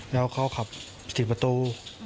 แล้วเขาขับ๔ประตู